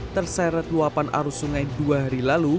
terseret luapan arus sungai dua hari lalu